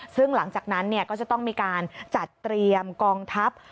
ซึ่งหลังจากนั้นก็จะต้องมีการจัดเตรียมกองทัพ